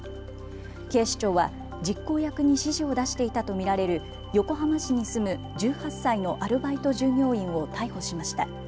警視庁は実行役に指示を出していたと見られる横浜市に住む１８歳のアルバイト従業員を逮捕しました。